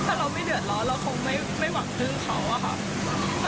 ถ้าเราไม่เดือดร้อนเราคงไม่หวังพึ่งเขาอะค่ะ